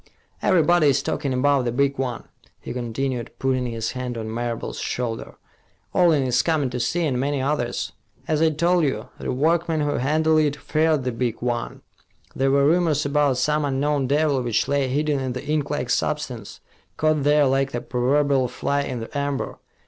"Everybody is talking about the big one," he continued, putting his hand on Marable's shoulder. "Orling is coming to see, and many others. As I told you, the workmen who handled it feared the big one. There were rumors about some unknown devil which lay hidden in the inklike substance, caught there like the proverbial fly in the amber.